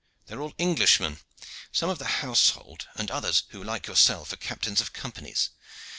"They are all Englishmen, some of the household and others who like yourself, are captains of companies.